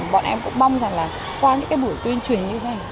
bọn em cũng mong rằng là qua những cái buổi tuyên truyền như thế này